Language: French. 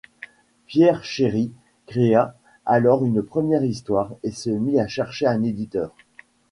Pierre Chéry créa alors une première histoire et se mit à chercher un éditeur.